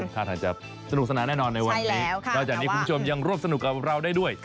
ท่าทางจะสนุกสนานแน่นอนในวันนี้นอกจากนี้คุณผู้ชมยังร่วมสนุกกับเราได้ด้วย